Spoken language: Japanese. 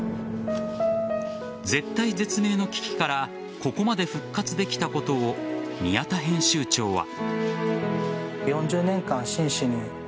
絶体絶命の危機からここまで復活できたことを宮田編集長は。